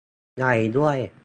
ใหญ่ด้วย